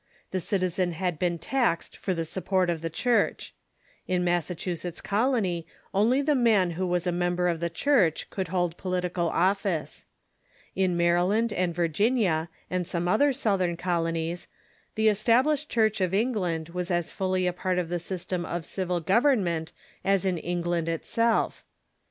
The citizen had been taxed for the support of the Church. In Chanqe of Base Massachusetts Colony only the man who was a in the Support member of the Church could hold political office. of the Church j^^ Maryland and Virginia and some other South ern colonies the Established Church of England was as fully a part of the system of civil government as in England itself.